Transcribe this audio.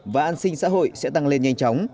và an sinh xã hội sẽ tăng lên nhanh chóng